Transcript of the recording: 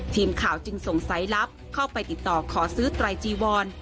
ทีมข่าวจึงส่งสายลับเข้าไปติดต่อขอซื้อไตรจีวอน